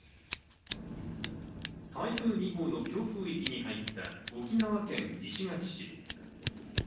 台風２号の強風域に入った沖縄県石垣市。